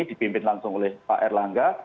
dipimpin langsung oleh pak erlangga